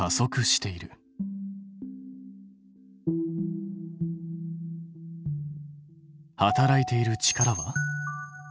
働いている力は？